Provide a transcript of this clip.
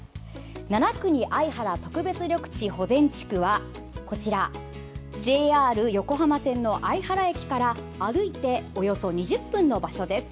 七国・相原特別緑地保全地区はＪＲ横浜線の相原駅から歩いておよそ２０分の場所です。